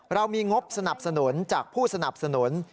เรามีงบสนับสนุนจากผู้สนับสนุน